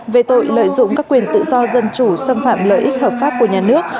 về tội lợi dụng các quyền tự do dân chủ xâm phạm lợi ích hợp pháp của nhà nước